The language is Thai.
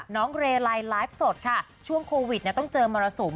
น้องเรลัยไลฟ์สดค่ะช่วงโควิดต้องเจอมรสุม